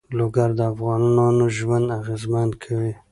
لوگر د افغانانو ژوند اغېزمن کوي.